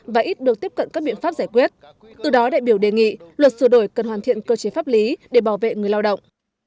và ít được tiếp cận các biện pháp giải quyết từ đó đại biểu đề nghị luật sửa đổi cần hoàn thiện cơ chế pháp lý để bảo vệ người lao động